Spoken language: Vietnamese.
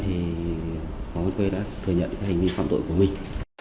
thì hoàng văn khê đã thừa nhận hành vi phạm tội của mình